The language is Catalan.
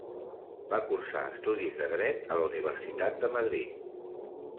Va cursar estudis de Dret a la Universitat de Madrid.